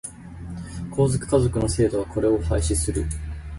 皇族、華族の制度はこれを廃止する。